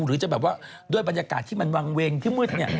หรือจะแบบว่าด้วยบรรยากาศที่มันวางเวงที่มืดเนี่ย